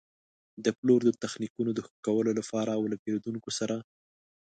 د پلور د تخنیکونو د ښه کولو لپاره او له پېرېدونکو سره.